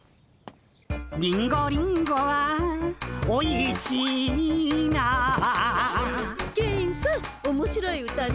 「リンゴリンゴはおいしいな」ケンさんおもしろい歌ね。